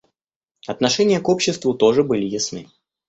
Отношения к обществу тоже были ясны.